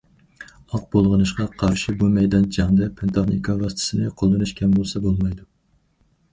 ئاق بۇلغىنىشقا قارشى بۇ مەيدان جەڭدە، پەن- تېخنىكا ۋاسىتىسىنى قوللىنىش كەم بولسا بولمايدۇ.